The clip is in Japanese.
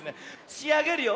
しあげるよ。